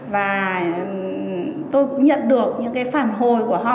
và tôi cũng nhận được những cái phản hồi của họ